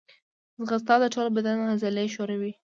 ځغاسته د ټول بدن عضلې ښوروي